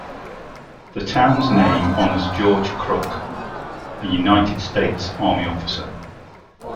The town's name honors George Crook, a United States Army officer.